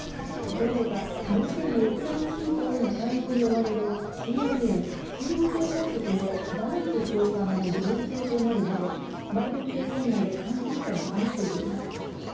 このほかロシアのウクライナ侵攻への対応に追われるＣＩＡ・中央情報局のバーンズ長官も陽性となるなど、バイデン政権内で感染者が相次いでいます。